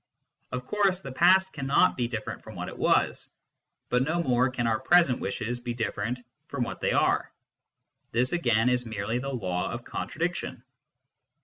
Of course, the past cannot be different from what it was, but no more can our present wishes be different from what they are ; this again is merely the law of contradiction.